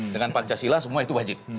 dengan pancasila semua itu wajib